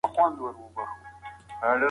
تاسو به ورسره روږدي سئ.